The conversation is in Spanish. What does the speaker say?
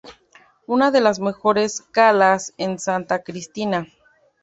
Una de las mejores calas es Santa Cristina.